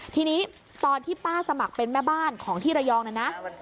ทีนี้ตอนที่ป้าสมัครเป็นแม่บ้านของที่ระยองนะนะ